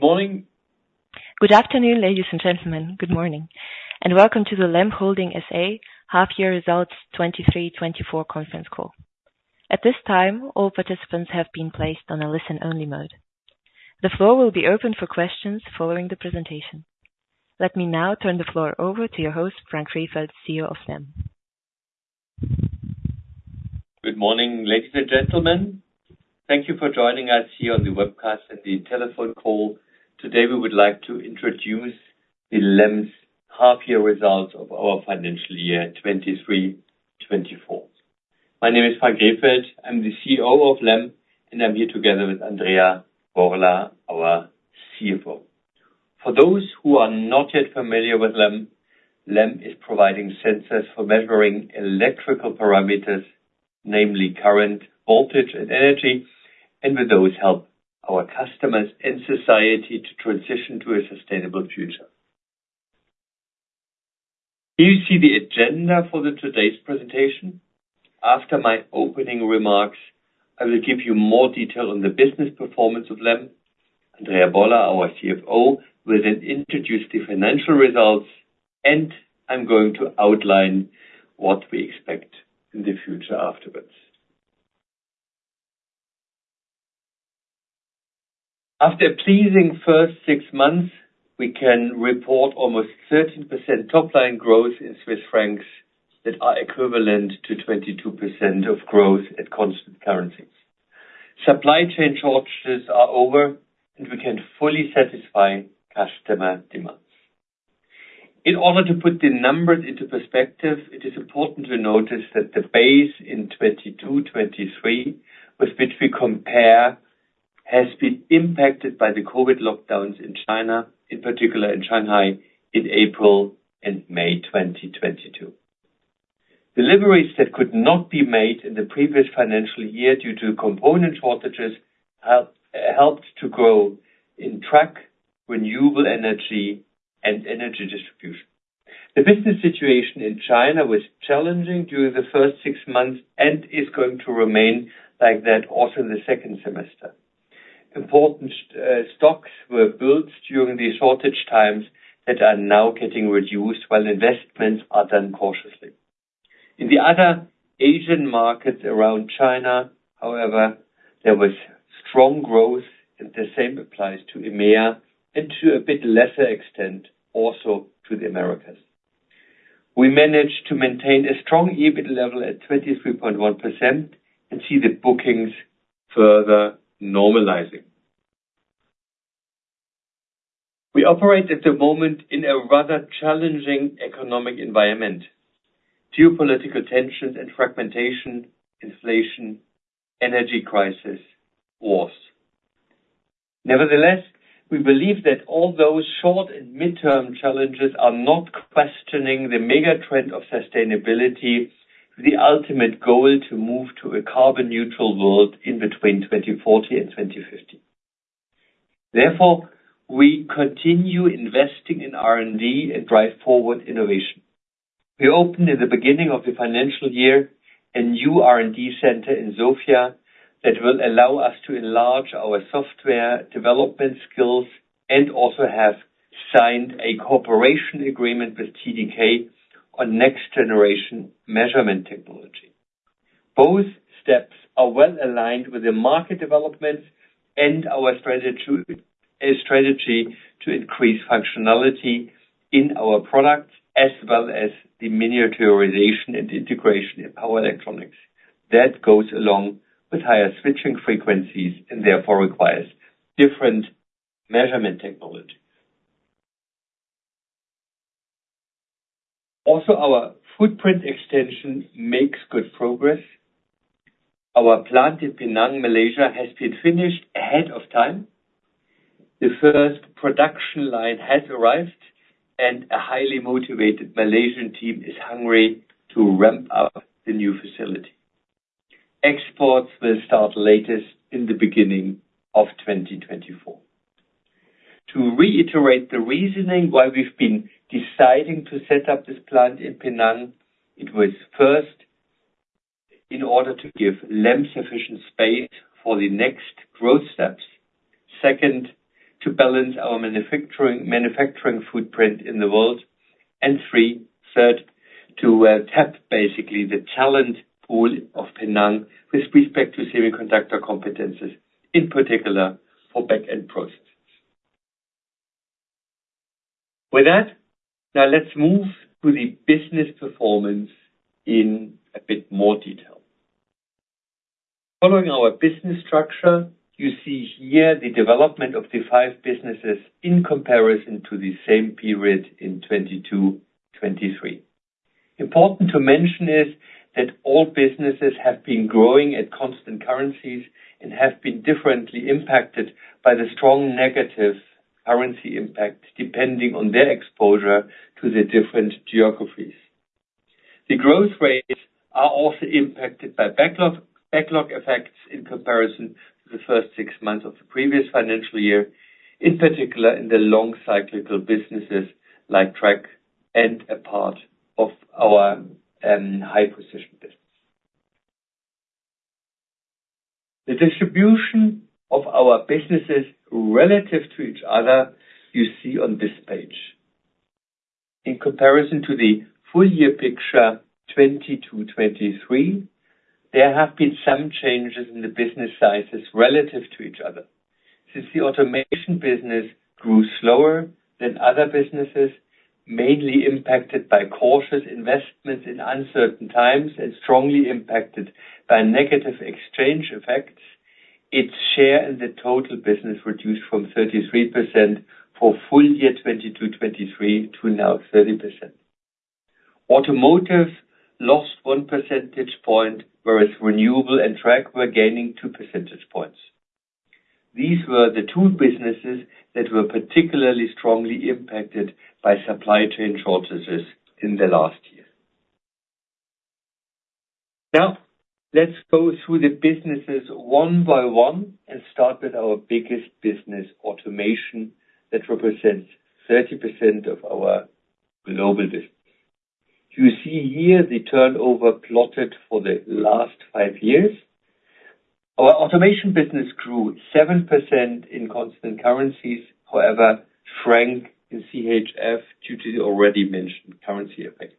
Good morning! Good afternoon, ladies and gentlemen. Good morning, and welcome to the LEM Holding SA half-year results 2023/2024 conference call. At this time, all participants have been placed on a listen-only mode. The floor will be open for questions following the presentation. Let me now turn the floor over to your host, Frank Rehfeld, CEO of LEM. Good morning, ladies and gentlemen. Thank you for joining us here on the webcast or the telephone call. Today, we would like to introduce LEM's half-year results of our financial year 2023-2024. My name is Frank Rehfeld, I'm the CEO of LEM, and I'm here together with Andrea Borla, our CFO. For those who are not yet familiar with LEM, LEM is providing sensors for measuring electrical parameters, namely current, voltage, and energy, and with those, help our customers and society to transition to a sustainable future. Here you see the agenda for today's presentation. After my opening remarks, I will give you more detail on the business performance of LEM. Andrea Borla, our CFO, will then introduce the financial results, and I'm going to outline what we expect in the future afterwards. After a pleasing first six months, we can report almost 13% top line growth in Swiss francs that are equivalent to 22% growth at constant currencies. Supply chain shortages are over, and we can fully satisfy customer demands. In order to put the numbers into perspective, it is important to notice that the base in 2022/2023, with which we compare, has been impacted by the COVID lockdowns in China, in particular in Shanghai, in April and May 2022. Deliveries that could not be made in the previous financial year due to component shortages helped to grow in track, renewable energy and energy distribution. The business situation in China was challenging during the first six months and is going to remain like that also in the second semester. Important, stocks were built during the shortage times that are now getting reduced, while investments are done cautiously. In the other Asian markets around China, however, there was strong growth, and the same applies to EMEA and to a bit lesser extent, also to the Americas. We managed to maintain a strong EBIT level at 23.1% and see the bookings further normalizing. We operate at the moment in a rather challenging economic environment. Geopolitical tensions and fragmentation, inflation, energy crisis, wars. Nevertheless, we believe that all those short and midterm challenges are not questioning the mega trend of sustainability, the ultimate goal to move to a carbon neutral world in between 2040 and 2050. Therefore, we continue investing in R&D and drive forward innovation. We opened in the beginning of the financial year a new R&D center in Sofia that will allow us to enlarge our software development skills and also have signed a cooperation agreement with TDK on next generation measurement technology. Both steps are well aligned with the market developments and our strategy to strategy to increase functionality in our products, as well as the miniaturization and integration in power electronics. That goes along with higher switching frequencies and therefore requires different measurement technologies. Also, our footprint extension makes good progress. Our plant in Penang, Malaysia, has been finished ahead of time. The first production line has arrived and a highly motivated Malaysian team is hungry to ramp up the new facility. Exports will start latest in the beginning of 2024. To reiterate the reasoning why we've been deciding to set up this plant in Penang, it was first, in order to give LEM sufficient space for the next growth steps. Second, to balance our manufacturing footprint in the world. And third, to tap basically the talent pool of Penang with respect to semiconductor competencies, in particular for back-end processes. With that, now let's move to the business performance in a bit more detail. Following our business structure, you see here the development of the five businesses in comparison to the same period in 2022/2023. Important to mention is that all businesses have been growing at constant currencies and have been differently impacted by the strong negative currency impact, depending on their exposure to the different geographies. The growth rates are also impacted by backlog, backlog effects in comparison to the first six months of the previous financial year, in particular in the long cyclical businesses like track and a part of our high precision business. The distribution of our businesses relative to each other, you see on this page. In comparison to the full year picture 2022, 2023, there have been some changes in the business sizes relative to each other. Since the automation business grew slower than other businesses, mainly impacted by cautious investments in uncertain times and strongly impacted by negative exchange effects, its share in the total business reduced from 33% for full year 2022, 2023 to now 30%. Automotive lost one percentage point, whereas renewable and track were gaining two percentage points. These were the two businesses that were particularly strongly impacted by supply chain shortages in the last year. Now, let's go through the businesses one by one and start with our biggest business, automation, that represents 30% of our global business. You see here the turnover plotted for the last 5 years. Our automation business grew 7% in constant currencies, however, in CHF, due to the already mentioned currency effects.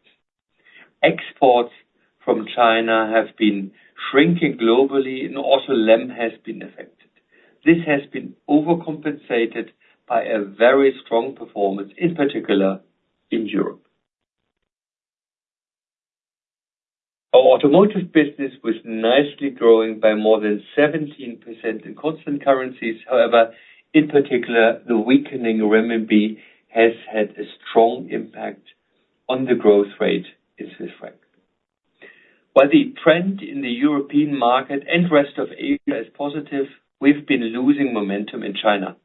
Exports from China have been shrinking globally and also LEM has been affected. This has been overcompensated by a very strong performance, in particular, in Europe. Our automotive business was nicely growing by more than 17% in constant currencies. However, in particular, the weakening RMB has had a strong impact on the growth rate in Swiss franc. While the trend in the European market and rest of Asia is positive, we've been losing momentum in China.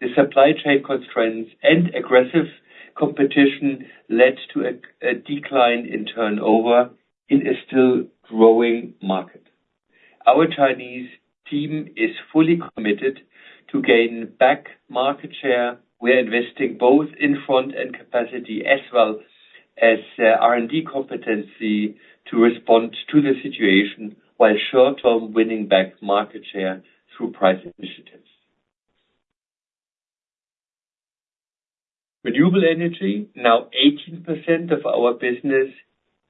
The supply chain constraints and aggressive competition led to a decline in turnover in a still growing market. Our Chinese team is fully committed to gain back market share. We are investing both in front-end capacity as well as R&D competency to respond to the situation, while short-term winning back market share through price initiatives. Renewable energy, now 18% of our business,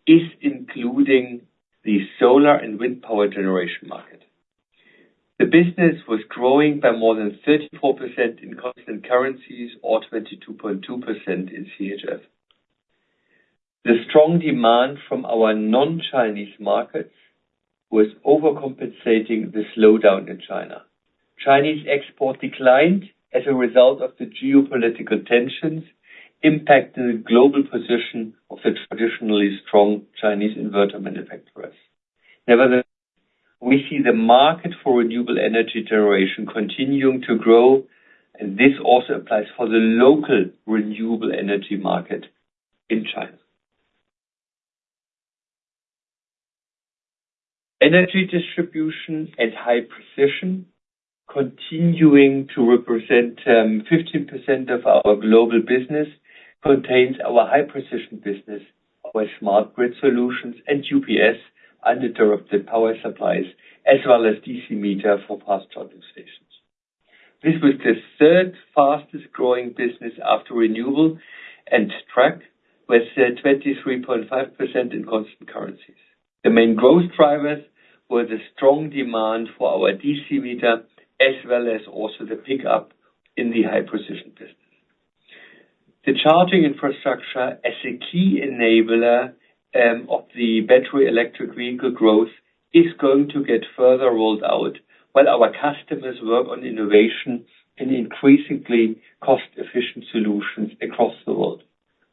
is including the solar and wind power generation market. The business was growing by more than 34% in constant currencies or 22.2% in CHF. The strong demand from our non-Chinese markets was overcompensating the slowdown in China. Chinese export declined as a result of the geopolitical tensions, impacting the global position of the traditionally strong Chinese inverter manufacturers. Nevertheless, we see the market for renewable energy generation continuing to grow, and this also applies for the local renewable energy market in China. Energy distribution and high precision, continuing to represent 15% of our global business, contains our high precision business with smart grid solutions and UPS uninterruptible power supplies, as well as DC meter for fast charging stations. This was the third fastest growing business after renewable and track, with 23.5% in constant currencies. The main growth drivers were the strong demand for our DC meter, as well as also the pickup in the high precision business. The charging infrastructure as a key enabler of the battery electric vehicle growth is going to get further rolled out while our customers work on innovation and increasingly cost-efficient solutions across the world.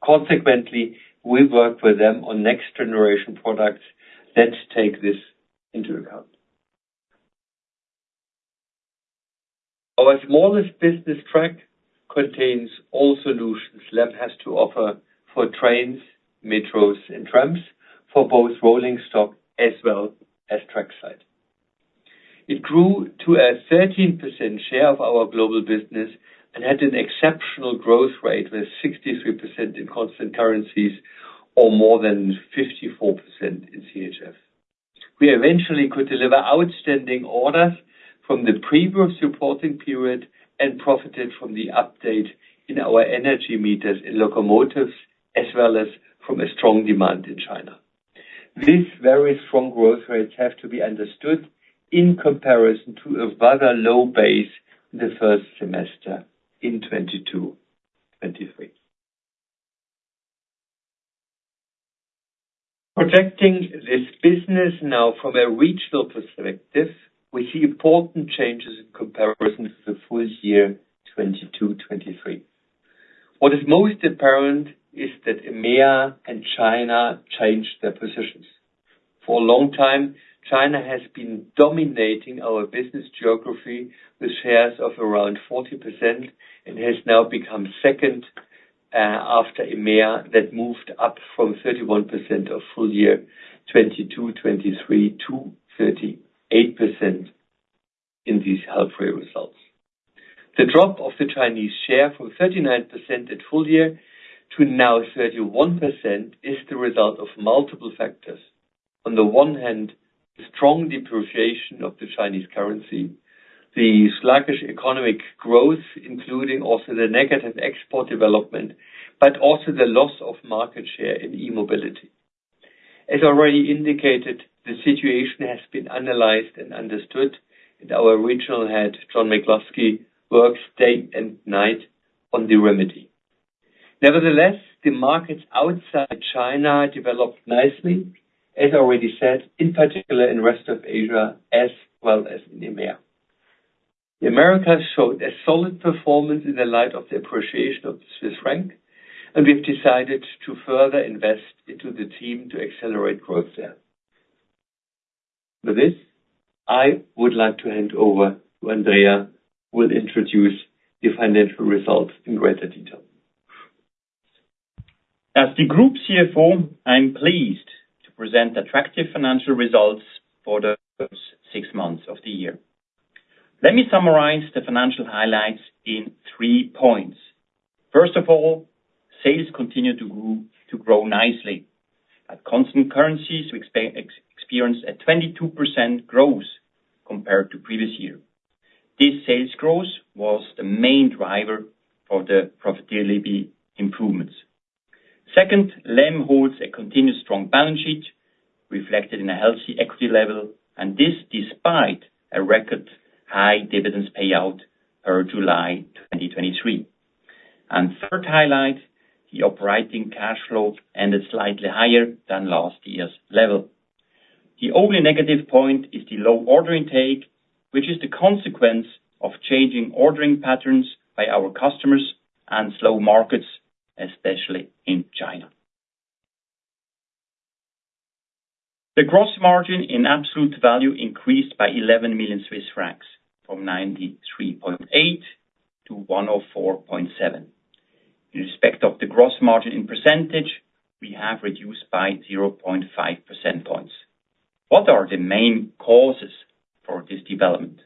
Consequently, we work with them on next generation products that take this into account. Our smallest business track contains all solutions LEM has to offer for trains, metros and trams, for both rolling stock as well as track side. It grew to a 13% share of our global business and had an exceptional growth rate with 63% in constant currencies or more than 54% in CHF. We eventually could deliver outstanding orders from the previous reporting period and profited from the update in our energy meters in locomotives, as well as from a strong demand in China. These very strong growth rates have to be understood in comparison to a rather low base in the first semester in 2022-2023. Projecting this business now from a regional perspective, we see important changes in comparison to the full year 2022-2023. What is most apparent is that EMEA and China changed their positions. For a long time, China has been dominating our business geography with shares of around 40% and has now become second after EMEA, that moved up from 31% of full year 2022-2023 to 38% in these halfway results. The drop of the Chinese share from 39% at full year to now 31% is the result of multiple factors. On the one hand, the strong depreciation of the Chinese currency, the sluggish economic growth, including also the negative export development, but also the loss of market share in e-mobility. As already indicated, the situation has been analyzed and understood, and our regional head, John McCluskey, works day and night on the remedy. Nevertheless, the markets outside China developed nicely, as already said, in particular in rest of Asia, as well as in EMEA. The Americas showed a solid performance in the light of the appreciation of the Swiss franc, and we have decided to further invest into the team to accelerate growth there. With this, I would like to hand over to Andrea, who will introduce the financial results in greater detail. As the group CFO, I'm pleased to present attractive financial results for the first six months of the year. Let me summarize the financial highlights in three points. First of all, sales continue to grow, to grow nicely. At constant currencies, we experienced a 22% growth compared to previous year. This sales growth was the main driver for the profitability improvements. Second, LEM holds a continuous strong balance sheet, reflected in a healthy equity level, and this despite a record high dividends payout per July 2023. And third highlight, the operating cash flow ended slightly higher than last year's level. The only negative point is the low order intake, which is the consequence of changing ordering patterns by our customers and slow markets, especially in China. The gross margin in absolute value increased by 11 million Swiss francs, from 93.8 to 104.7. In respect of the gross margin in percentage, we have reduced by 0.5 percentage points. What are the main causes for this development?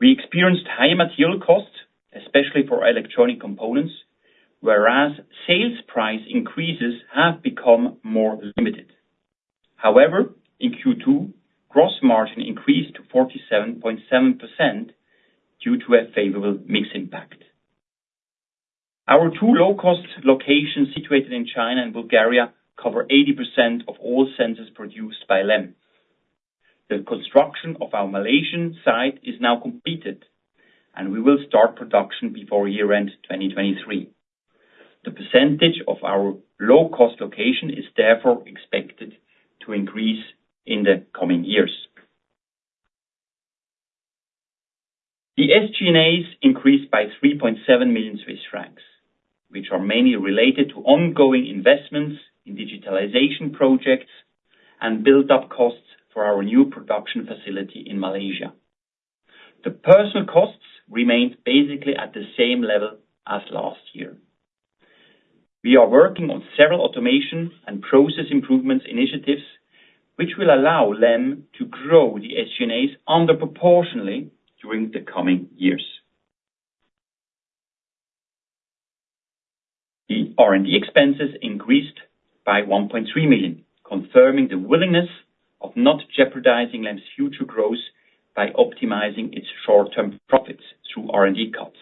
We experienced high material costs, especially for electronic components, whereas sales price increases have become more limited. However, in Q2, gross margin increased to 47.7% due to a favorable mix impact. Our two low-cost locations, situated in China and Bulgaria, cover 80% of all sensors produced by LEM. The construction of our Malaysian site is now completed, and we will start production before year-end 2023. The percentage of our low-cost location is therefore expected to increase in the coming years. The SG&As increased by 3.7 million Swiss francs, which are mainly related to ongoing investments in digitalization projects and built up costs for our new production facility in Malaysia. The personal costs remained basically at the same level as last year. We are working on several automation and process improvements initiatives, which will allow LEM to grow the SG&As under proportionally during the coming years. The R&D expenses increased by 1.3 million, confirming the willingness of not jeopardizing LEM's future growth by optimizing its short-term profits through R&D cuts.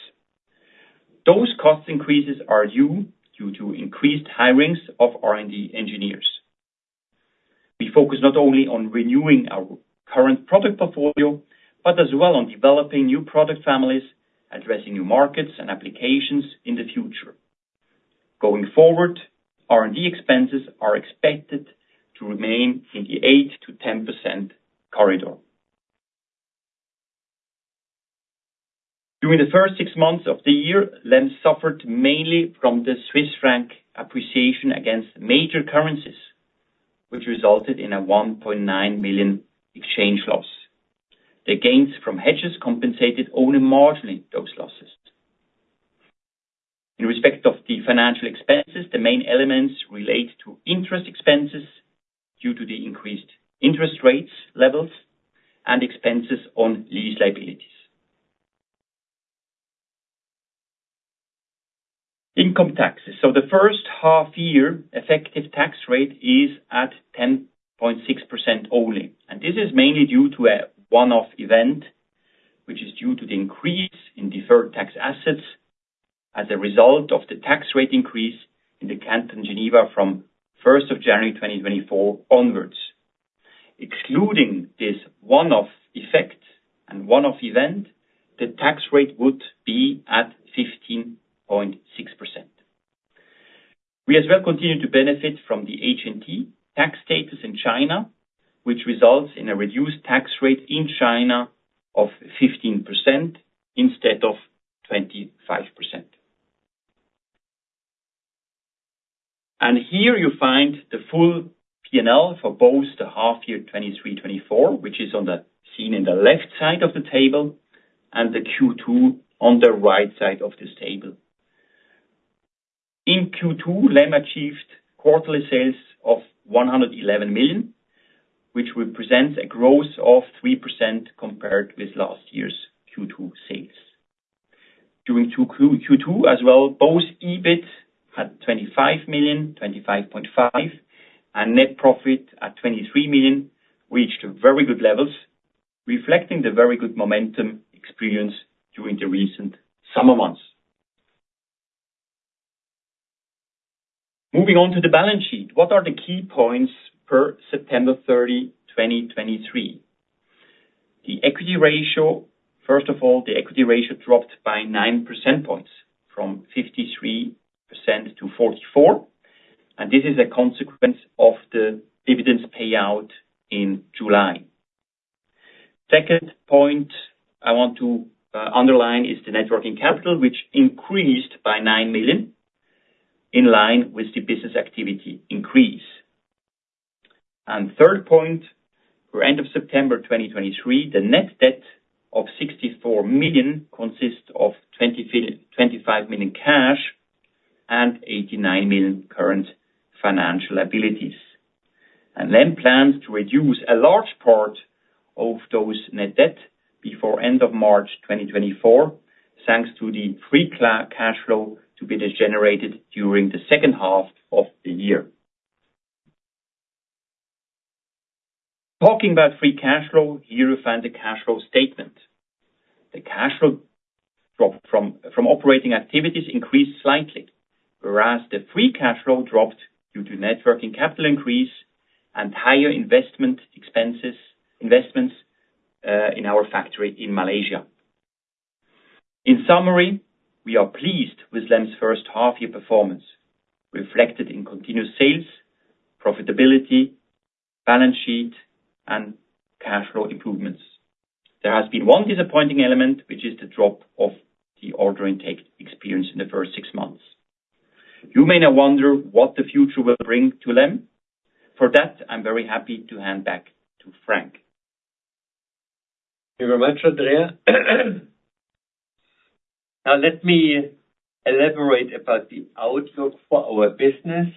Those cost increases are due to increased hirings of R&D engineers. We focus not only on renewing our current product portfolio, but as well on developing new product families, addressing new markets and applications in the future. Going forward, R&D expenses are expected to remain in the 8%-10% corridor. During the first six months of the year, LEM suffered mainly from the Swiss franc appreciation against major currencies, which resulted in a 1.9 million exchange loss. The gains from hedges compensated only marginally those losses. In respect of the financial expenses, the main elements relate to interest expenses due to the increased interest rates, levels, and expenses on lease liabilities. Income taxes. So the first half year, effective tax rate is at 10.6% only, and this is mainly due to a one-off event, which is due to the increase in deferred tax assets as a result of the tax rate increase in the Canton Geneva from first of January 2024 onwards. Excluding this one-off effect and one-off event, the tax rate would be at 15.6%. We as well continue to benefit from the HNT tax status in China, which results in a reduced tax rate in China of 15% instead of 25%. Here you find the full P&L for both the half year 2023, 2024, which is on the-- seen in the left side of the table, and the Q2 on the right side of this table. In Q2, LEM achieved quarterly sales of 111 million, which represents a growth of 3% compared with last year's Q2 sales. During Q2 as well, both EBIT at 25 million, 25.5, and net profit at 23 million, reached very good levels, reflecting the very good momentum experienced during the recent summer months. Moving on to the balance sheet, what are the key points per September 30, 2023? The equity ratio, first of all, the equity ratio dropped by 9 percentage points, from 53% to 44%, and this is a consequence of the dividends payout in July. Second point I want to underline is the net working capital, which increased by 9 million, in line with the business activity increase. And third point, for end of September 2023, the net debt of 64 million consists of 25 million cash and 89 million current financial liabilities. And LEM plans to reduce a large part of those net debt before end of March 2024, thanks to the free cash flow to be generated during the second half of the year. Talking about free cash flow, here you find the cash flow statement. The cash flow from operating activities increased slightly, whereas the free cash flow dropped due to net working capital increase and higher investment expenses-investments in our factory in Malaysia. In summary, we are pleased with LEM's first half-year performance, reflected in continuous sales, profitability, balance sheet, and cash flow improvements. There has been one disappointing element, which is the drop of the order intake experience in the first six months. You may now wonder what the future will bring to LEM. For that, I'm very happy to hand back to Frank. Thank you very much, Andrea. Now let me elaborate about the outlook for our business.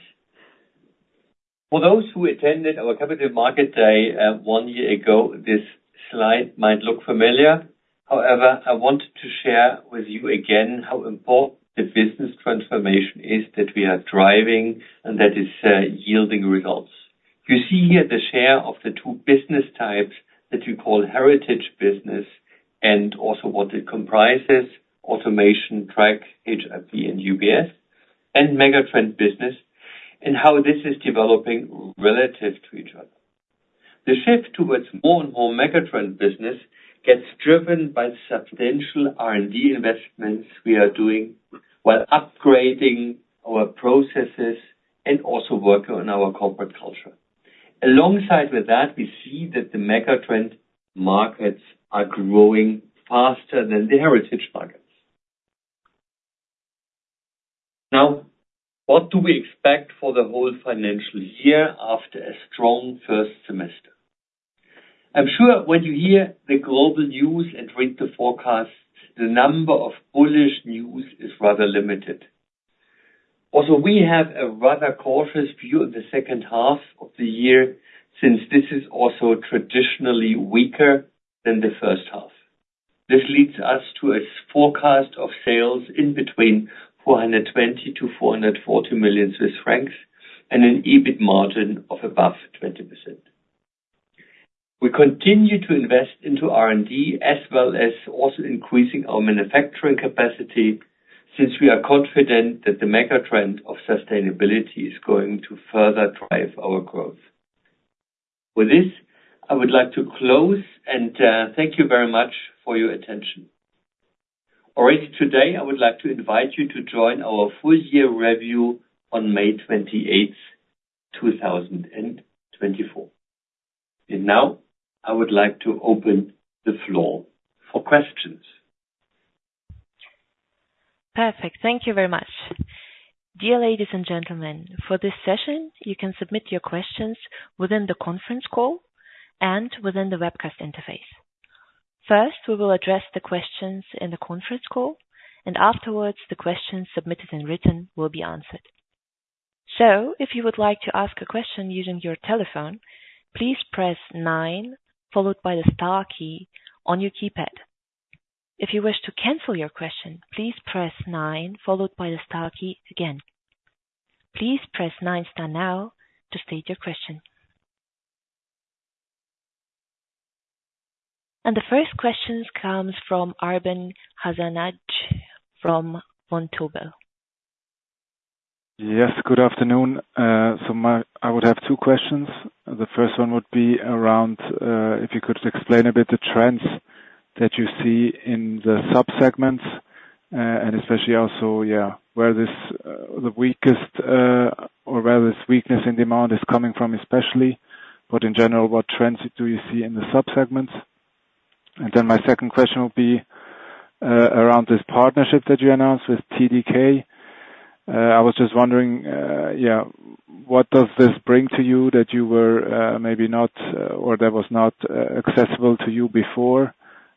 For those who attended our Capital Market Day one year ago, this slide might look familiar. However, I want to share with you again how important the business transformation is that we are driving, and that is yielding results. You see here the share of the two business types that we call heritage business, and also what it comprises, automation, traction, HEV and EV, and megatrend business, and how this is developing relative to each other. The shift towards more and more megatrend business gets driven by substantial R&D investments we are doing, while upgrading our processes and also working on our corporate culture. Alongside with that, we see that the megatrend markets are growing faster than the heritage markets. Now, what do we expect for the whole financial year after a strong first semester? I'm sure when you hear the global news and read the forecast, the number of bullish news is rather limited. Also, we have a rather cautious view of the second half of the year, since this is also traditionally weaker than the first half. This leads us to a forecast of sales in between 420 million-440 million Swiss francs, and an EBIT margin of above 20%. We continue to invest into R&D, as well as also increasing our manufacturing capacity, since we are confident that the mega trend of sustainability is going to further drive our growth. With this, I would like to close, and thank you very much for your attention. All right, today, I would like to invite you to join our full year review on May 28, 2024. Now I would like to open the floor for questions. Perfect. Thank you very much. Dear ladies and gentlemen, for this session, you can submit your questions within the conference call and within the webcast interface. First, we will address the questions in the conference call, and afterwards, the questions submitted in writing will be answered. So if you would like to ask a question using your telephone, please press nine followed by the star key on your keypad. If you wish to cancel your question, please press nine followed by the star key again. Please press nine star now to state your question. The first question comes from Arben Hasanaj, from Vontobel. Yes, good afternoon. I would have two questions. The first one would be around if you could explain a bit the trends that you see in the subsegments and especially also where this the weakest or where this weakness in demand is coming from, especially, but in general, what trends do you see in the subsegments? And then my second question would be around this partnership that you announced with TDK. I was just wondering what does this bring to you that you were maybe not or that was not accessible to you before?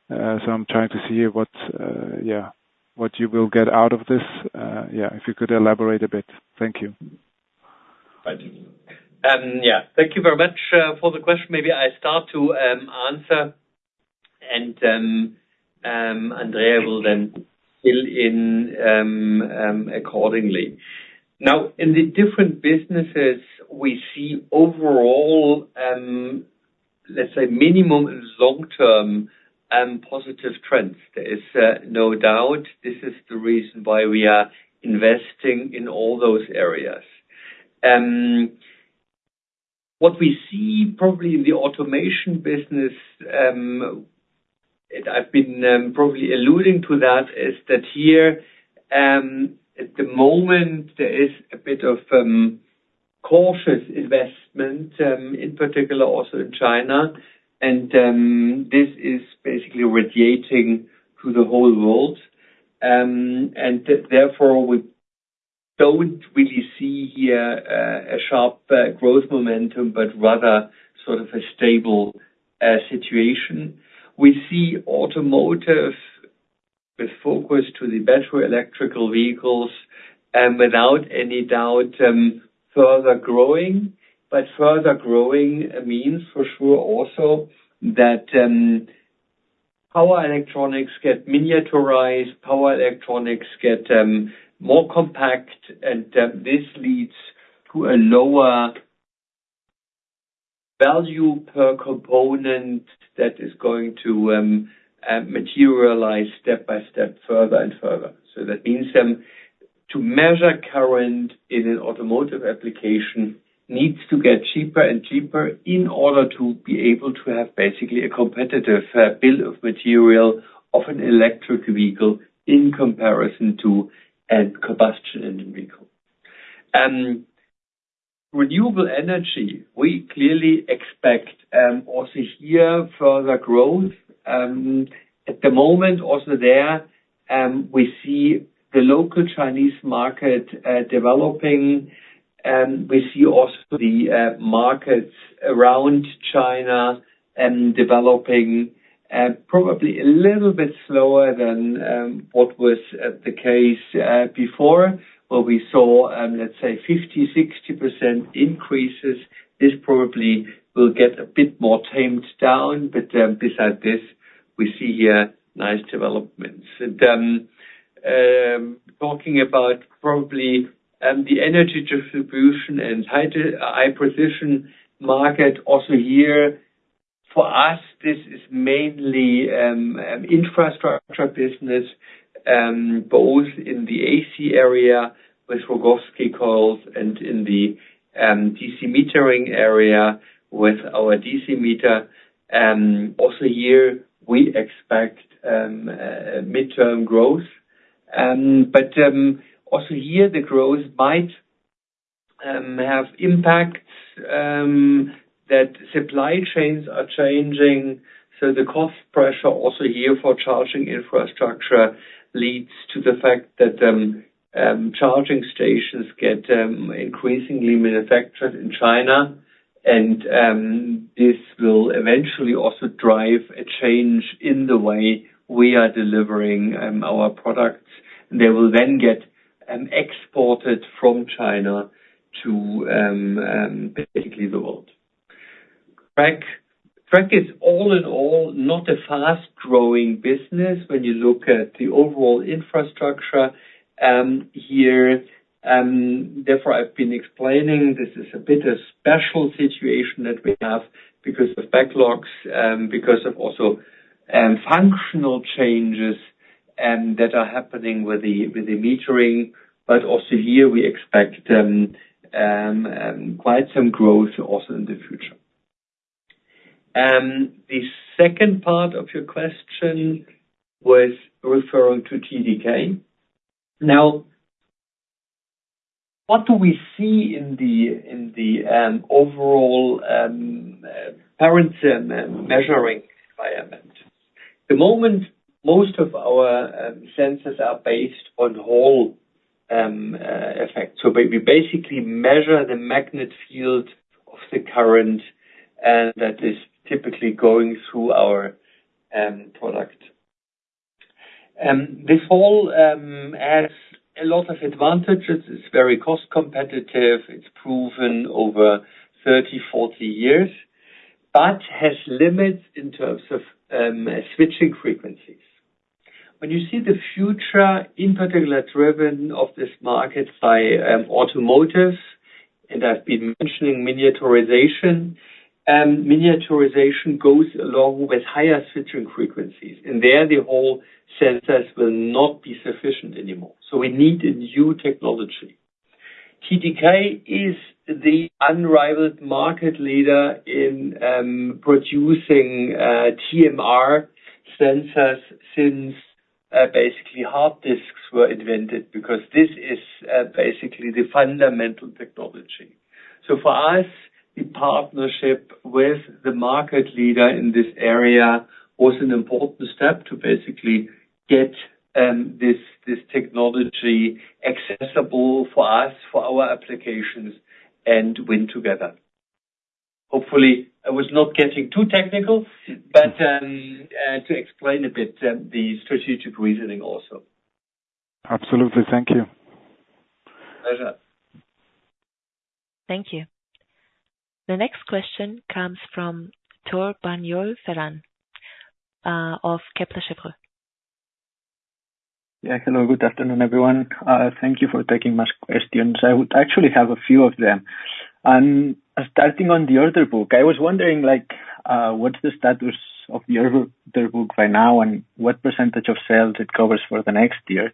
So I'm trying to see what what you will get out of this. If you could elaborate a bit. Thank you. Yeah, thank you very much for the question. Maybe I start to answer and Andrea will then fill in accordingly. Now, in the different businesses we see overall, let's say, minimum and long-term positive trends. There is no doubt this is the reason why we are investing in all those areas. What we see probably in the automation business, I've been probably alluding to that, is that here, at the moment, there is a bit of cautious investment, in particular also in China. And this is basically radiating through the whole world. And therefore, we don't really see here a sharp growth momentum, but rather sort of a stable situation. We see automotive with focus to the better electrical vehicles, and without any doubt further growing. But further growing means for sure also, power electronics get miniaturized, power electronics get, more compact, and, this leads to a lower value per component that is going to, materialize step by step, further and further. So that means, to measure current in an automotive application needs to get cheaper and cheaper in order to be able to have basically a, bill of material of an electric vehicle in comparison to a combustion engine vehicle. Renewable energy, we clearly expect, also here, further growth. At the moment, also there, we see the local Chinese market, developing, and we see also the, markets around China, developing, probably a little bit slower than, what was, the case, before, where we saw, let's say 50%-60% increases. This probably will get a bit more tamed down, but, besides this, we see here nice developments. And, talking about probably, the energy distribution and high precision market, also here, for us, this is mainly, infrastructure business, both in the AC area with Rogowski coils and in the, DC metering area with our DC meter. Also here we expect, midterm growth. But, also here, the growth might, have impacts, that supply chains are changing, so the cost pressure also here for charging infrastructure leads to the fact that, charging stations get, increasingly manufactured in China. And, this will eventually also drive a change in the way we are delivering, our products. They will then get, exported from China to, basically the world. Frank, Frank is all in all, not a fast-growing business when you look at the overall infrastructure here. Therefore, I've been explaining this is a bit a special situation that we have because of backlogs, because of also functional changes that are happening with the metering. But also here we expect quite some growth also in the future. The second part of your question was referring to TDK. Now, what do we see in the overall current sensing and measuring environment? At the moment, most of our sensors are based on Hall effect. So we basically measure the magnetic field of the current, and that is typically going through our product. This all has a lot of advantages. It's very cost competitive. It's proven over 30, 40 years, but has limits in terms of switching frequencies. When you see the future, in particular, driven by this market by automotive, and I've been mentioning miniaturization, miniaturization goes along with higher switching frequencies, and there the Hall sensors will not be sufficient anymore, so we need a new technology. TDK is the unrivaled market leader in producing TMR sensors since basically hard disks were invented because this is basically the fundamental technology. So for us, the partnership with the market leader in this area was an important step to basically get this technology accessible for us, for our applications, and win together. Hopefully, I was not getting too technical, but to explain a bit the strategic reasoning also. Absolutely. Thank you. Pleasure. Thank you. The next question comes from Torbjørn Færøvik of Kepler Cheuvreux. Yeah. Hello, good afternoon, everyone. Thank you for taking my questions. I would actually have a few of them. And starting on the order book, I was wondering, like, what's the status of the order book right now? And what percentage of sales it covers for the next year,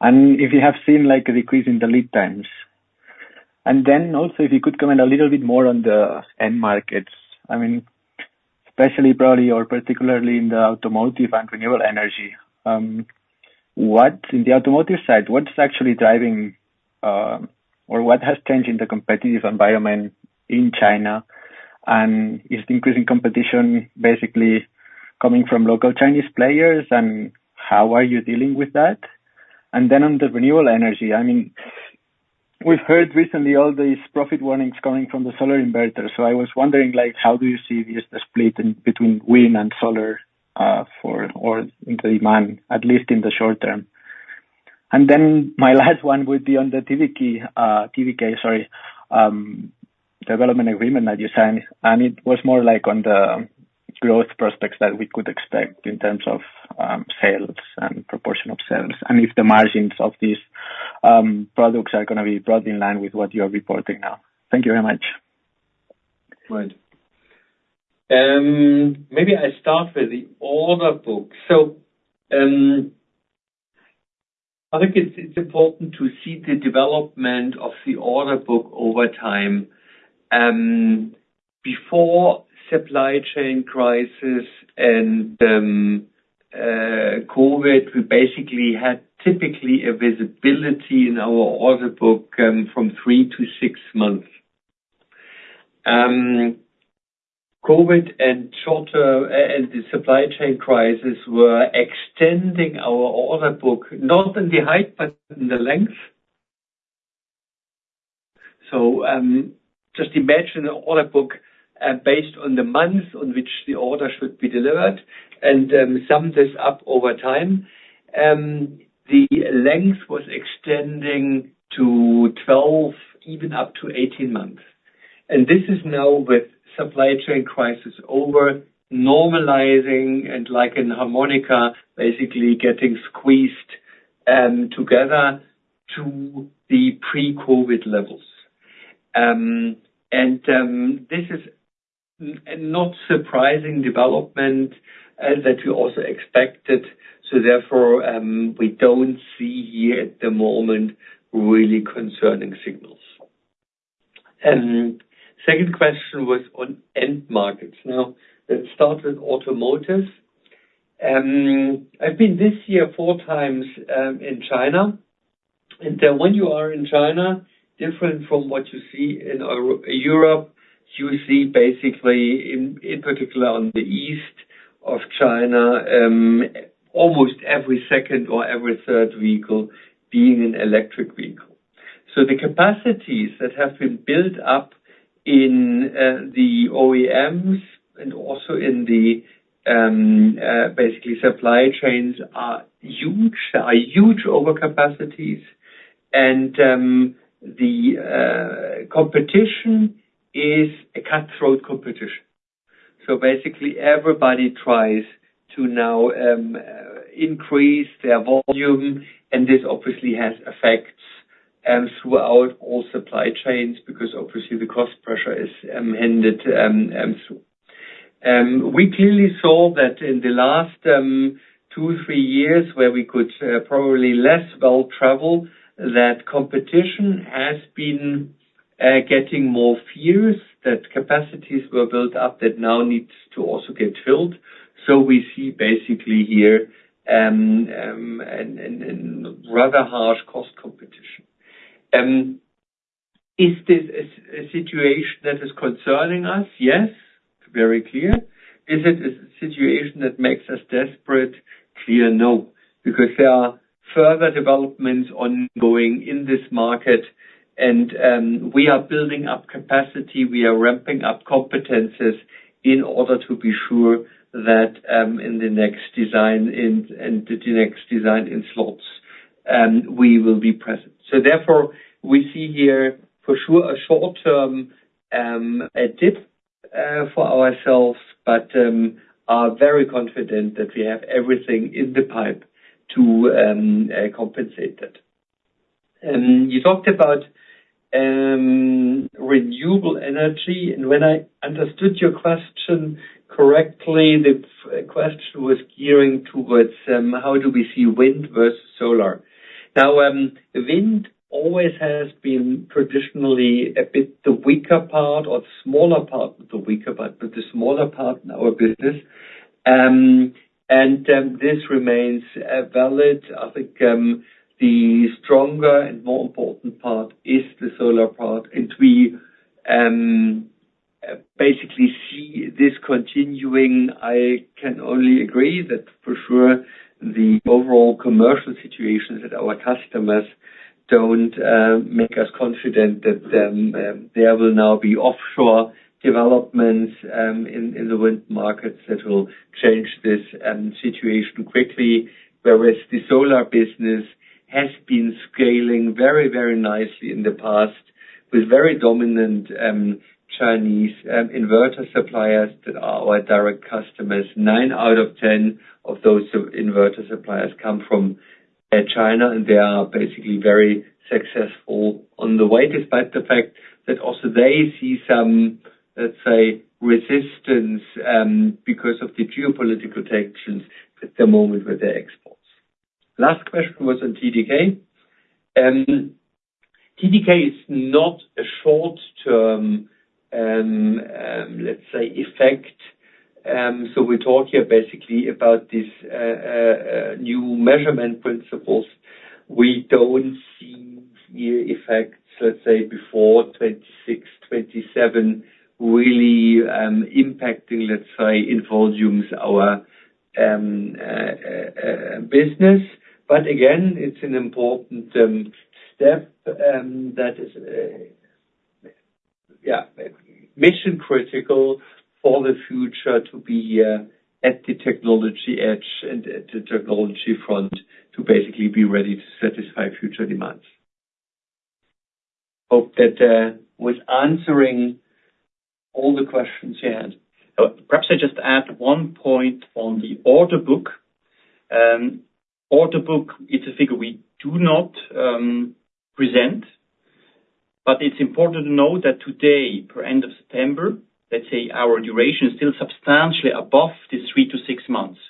and if you have seen, like, a decrease in the lead times? And then also, if you could comment a little bit more on the end markets. I mean, especially probably or particularly in the automotive and renewable energy. In the automotive side, what is actually driving, or what has changed in the competitive environment in China? And is the increasing competition basically coming from local Chinese players, and how are you dealing with that? And then on the renewable energy, I mean, we've heard recently all these profit warnings coming from the solar inverters. I was wondering, like, how do you see this split in between wind and solar, or in the demand, at least in the short term? Then my last one would be on the TV key, TDK, sorry, development agreement that you signed, and it was more like on the growth prospects that we could expect in terms of sales and proportion of sales, and if the margins of these products are gonna be brought in line with what you are reporting now. Thank you very much. Right. Maybe I start with the order book. So, I think it's important to see the development of the order book over time. Before supply chain crisis and COVID, we basically had typically a visibility in our order book from 3-6 months. COVID and shorter and the supply chain crisis were extending our order book, not in the height, but in the length. So, just imagine an order book based on the months on which the order should be delivered, and sum this up over time. The length was extending to 12, even up to 18 months, and this is now with supply chain crisis over, normalizing and like in harmonica, basically getting squeezed together to the pre-COVID levels. And this is a not surprising development that we also expected, so therefore, we don't see yet at the moment really concerning signals. Second question was on end markets. Now, let's start with automotive. I've been this year, four times, in China, and when you are in China, different from what you see in Europe, you see basically, in particular on the east of China, almost every second or every third vehicle being an electric vehicle. So the capacities that have been built up in the OEMs and also in the basically supply chains, are huge, are huge overcapacities and the competition is a cutthroat competition. So basically everybody tries to now increase their volume, and this obviously has effects throughout all supply chains, because obviously the cost pressure is ended. We clearly saw that in the last 2-3 years, where we could probably less well travel, that competition has been getting more fierce, that capacities were built up that now needs to also get filled. So we see basically here a rather harsh cost competition. Is this a situation that is concerning us? Yes, very clear. Is it a situation that makes us desperate? Clearly no, because there are further developments ongoing in this market and we are building up capacity, we are ramping up competencies in order to be sure that in the next design in slots we will be present. So therefore, we see here for sure a short-term dip for ourselves, but are very confident that we have everything in the pipe to compensate that. You talked about renewable energy, and when I understood your question correctly, the question was gearing towards how do we see wind versus solar? Now, wind always has been traditionally a bit the weaker part or smaller part, the weaker part, but the smaller part in our business. And this remains valid. I think, the stronger and more important part is the solar part, and we, basically see this continuing. I can only agree that for sure, the overall commercial situations that our customers don't make us confident that, there will now be offshore developments, in the wind markets that will change this, situation quickly. Whereas the solar business has been scaling very, very nicely in the past, with very dominant, Chinese, inverter suppliers that are our direct customers. Nine out of ten of those inverter suppliers come from, China, and they are basically very successful on the way, despite the fact that also they see some, let's say, resistance, because of the geopolitical tensions at the moment with their exports. Last question was on TDK. TDK is not a short-term, let's say, effect. So we talk here basically about this, new measurement principles. We don't see the effects, let's say, before 2026, 2027, really, impacting, let's say, in volumes our, business. But again, it's an important, step, that is, yeah, mission critical for the future to be, at the technology edge and at the technology front, to basically be ready to satisfy future demands. Hope that, was answering all the questions you had. Perhaps I just add one point on the order book. Order book is a figure we do not present, but it's important to note that today, per end of September, let's say our duration is still substantially above the 3-6 months.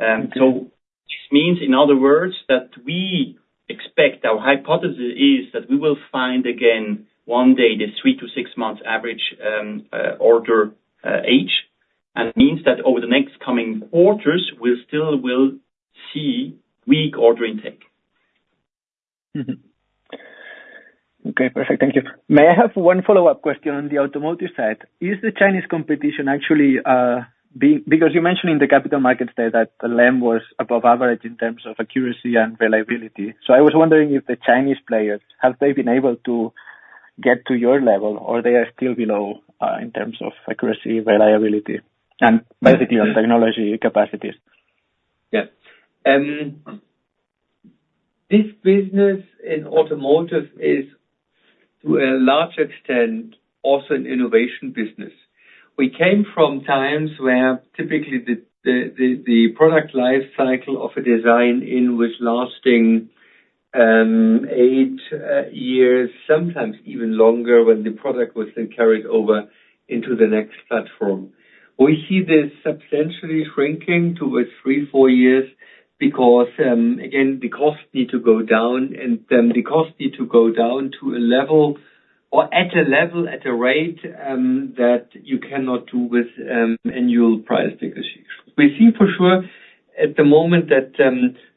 So this means, in other words, that we expect, our hypothesis is that we will find again, one day, the 3-6 months average, order age. And it means that over the next coming quarters, we still will see weak order intake. Mm-hmm. Okay, perfect. Thank you. May I have one follow-up question on the automotive side? Is the Chinese competition actually because you mentioned in the capital markets there that the LEM was above average in terms of accuracy and reliability? So I was wondering if the Chinese players have they been able to get to your level, or they are still below in terms of accuracy, reliability, and maturity on technology capacities? Yeah. This business in automotive is, to a large extent, also an innovation business. We came from times where typically the product life cycle of a design in which lasting eight years, sometimes even longer, when the product was then carried over into the next platform. We see this substantially shrinking towards 3-4 years, because again, the costs need to go down, and then the costs need to go down to a level or at a level, at a rate that you cannot do with annual price decreases. We see for sure, at the moment, that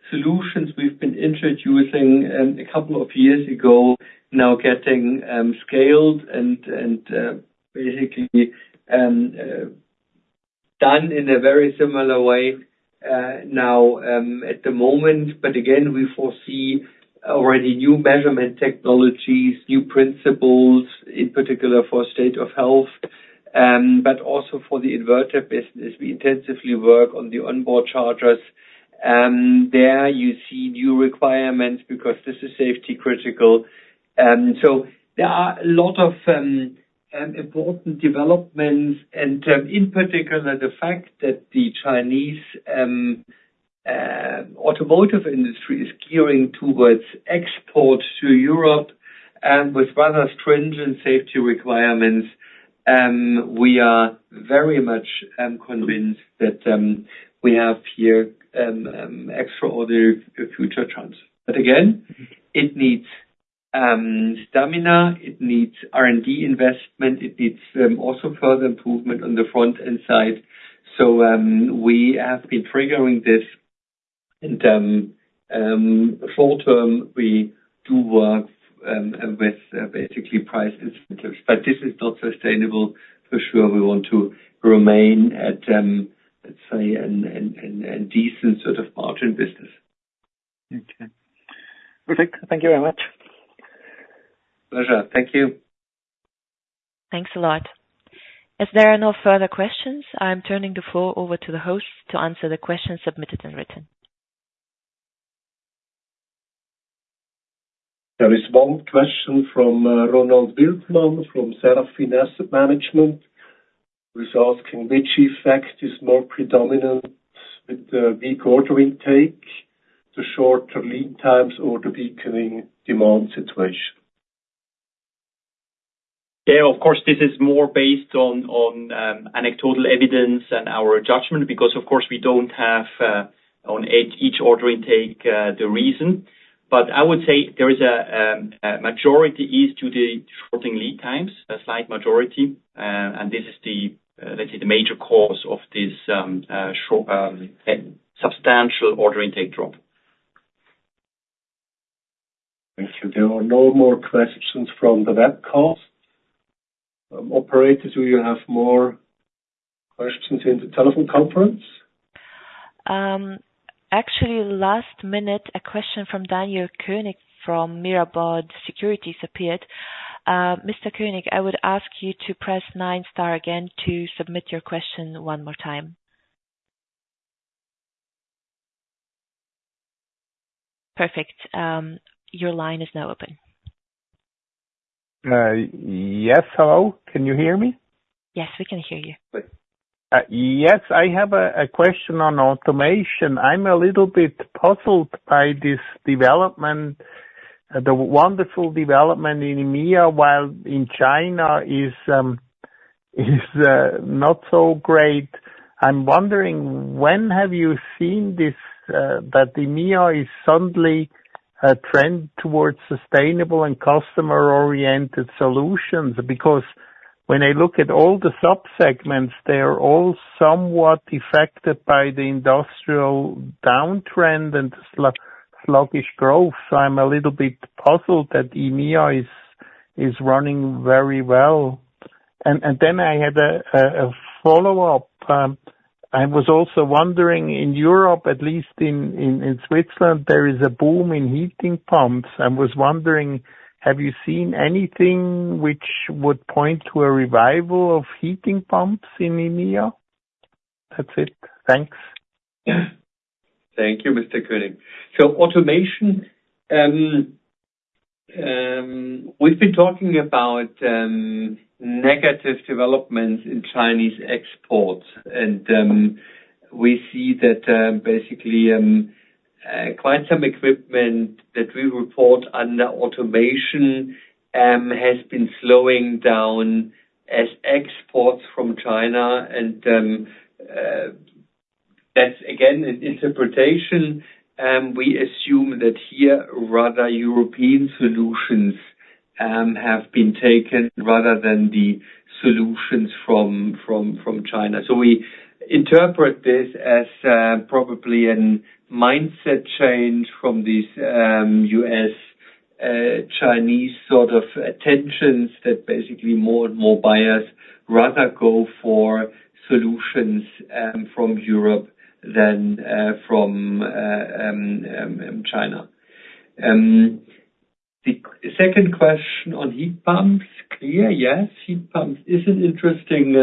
solutions we've been introducing a couple of years ago now getting scaled and basically done in a very similar way now at the moment. But again, we foresee already new measurement technologies, new principles, in particular for state of health, but also for the inverter business. We intensively work on the onboard chargers. There you see new requirements because this is safety critical. So there are a lot of important developments, and in particular, the fact that the Chinese automotive industry is gearing towards export to Europe, with rather stringent safety requirements, we are very much convinced that we have here extraordinary future trends. But again, it needs stamina, it needs R&D investment, it needs also further improvement on the front end side. So we have been triggering this, and short term, we do work with basically price incentives, but this is not sustainable. For sure, we want to remain at, let's say, a decent sort of margin business. Okay. Perfect. Thank you very much. Pleasure. Thank you. Thanks a lot. As there are no further questions, I'm turning the floor over to the host to answer the questions submitted in writing. There is one question from Ronald Wildmann from Serafin Asset Management, who's asking: Which effect is more predominant with the weak order intake, the shorter lead times or the weakening demand situation? Yeah, of course, this is more based on anecdotal evidence and our judgment, because, of course, we don't have on each order intake the reason. But I would say there is a majority is to the shortening lead times, a slight majority, and this is the, let's say, the major cause of this, short, substantial order intake drop. Thank you. There are no more questions from the web call. Operator, do you have more questions in the telephone conference? Actually, last minute, a question from Daniel Koenig from Mirabaud Securities appeared. Mr. Koenig, I would ask you to press nine star again to submit your question one more time. Perfect, your line is now open. Yes, hello. Can you hear me? Yes, we can hear you. Yes, I have a question on automation. I'm a little bit puzzled by this development, the wonderful development in EMEA, while in China is not so great. I'm wondering, when have you seen this that EMEA is suddenly a trend towards sustainable and customer-oriented solutions? Because when I look at all the sub-segments, they are all somewhat affected by the industrial downtrend and sluggish growth. So I'm a little bit puzzled that EMEA is running very well. And then I had a follow-up. I was also wondering, in Europe, at least in Switzerland, there is a boom in heat pumps. I was wondering, have you seen anything which would point to a revival of heat pumps in EMEA? That's it. Thanks. Thank you, Mr. Koenig. So automation, we've been talking about negative developments in Chinese exports, and we see that basically quite some equipment that we report under automation has been slowing down as exports from China. And that's again an interpretation, we assume that here rather European solutions have been taken, rather than the solutions from China. So we interpret this as probably an mindset change from these US Chinese sort of tensions, that basically more and more buyers rather go for solutions from Europe than from China. The second question on heat pumps. Yeah, yes, heat pumps is an interesting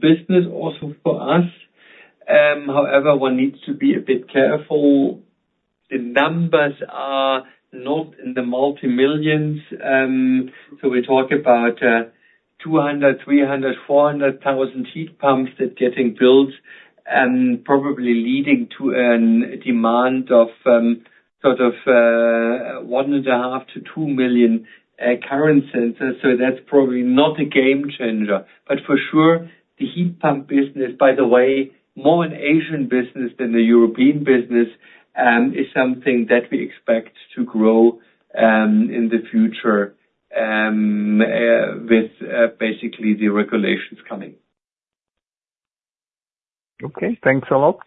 business also for us. However, one needs to be a bit careful. The numbers are not in the multi-millions, so we talk about 200-400 thousand heat pumps that are getting built and probably leading to a demand of sort of 1.5-2 million current sensors. So that's probably not a game changer. But for sure, the heat pump business, by the way, more an Asian business than a European business, is something that we expect to grow in the future with basically the regulations coming. Okay, thanks a lot.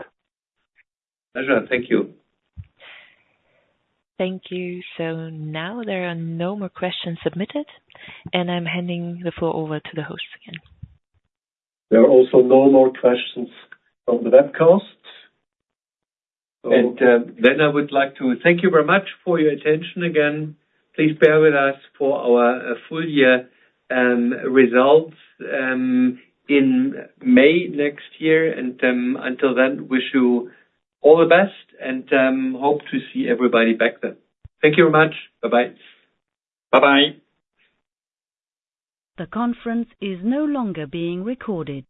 Pleasure. Thank you. Thank you. So now there are no more questions submitted, and I'm handing the floor over to the host again. There are also no more questions on the webcast. So then I would like to thank you very much for your attention again. Please bear with us for our full year results in May next year. And until then, wish you all the best and hope to see everybody back then. Thank you very much. Bye-bye. Bye-bye. The conference is no longer being recorded.